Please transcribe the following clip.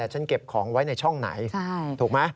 เก็บของไว้ในช่องไหนถูกไหม